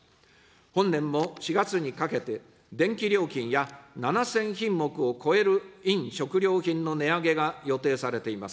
本年も４月にかけて、電気料金や７０００品目を超える飲食料品の値上げが予定されています。